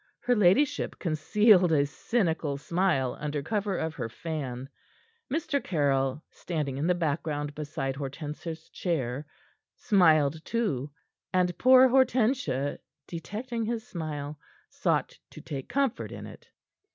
Her ladyship concealed a cynical smile under cover of her fan. Mr. Caryll standing in the background beside Hortensia's chair smiled, too, and poor Hortensia, detecting his smile, sought to take comfort in it.